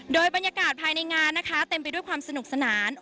โดยบรรยากาศภายในงานนะคะเต็มไปด้วยความสนุกสนาน